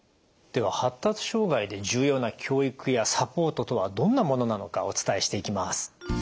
では発達障害で重要な教育やサポートとはどんなものなのかお伝えしていきます。